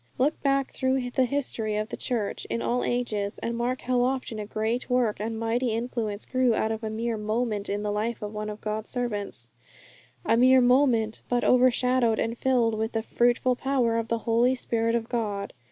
Look back through the history of the Church in all ages, and mark how often a great work and mighty influence grew out of a mere moment in the life of one of God's servants; a mere moment, but overshadowed and filled with the fruitful power of the Spirit of God.